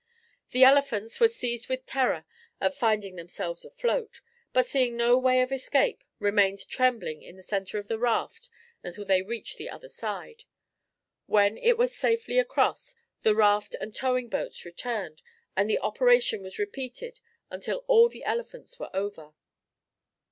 The elephants were seized with terror at finding themselves afloat, but seeing no way of escape remained trembling in the centre of the raft until they reached the other side. When it was safely across, the raft and towing boats returned, and the operation was repeated until all the elephants were over.